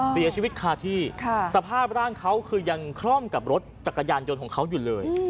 เสียชีวิตคาที่สภาพร่างเขาคือยังคล่อมกับรถจักรยานยนต์ของเขาอยู่เลย